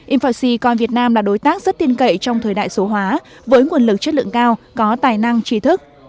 infoci coi việt nam là đối tác rất tiên cậy trong thời đại số hóa với nguồn lực chất lượng cao có tài năng trí thức